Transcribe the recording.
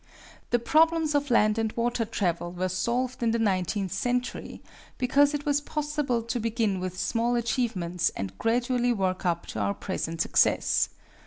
The problems of land and water travel were solved in the nineteenth century, because it was possible to begin with small achievements and gradually work up to our present success.